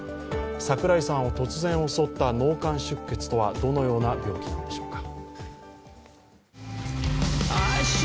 櫻井さんを突然襲った脳幹出血とはどのような病気なのでしょうか。